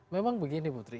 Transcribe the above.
memang begini putri